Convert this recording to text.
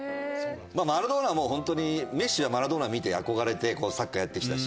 マラドーナはもう本当にメッシはマラドーナ見て憧れてサッカーやってきたし。